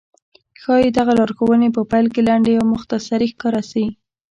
ښايي دغه لارښوونې په پيل کې لنډې او مختصرې ښکاره شي.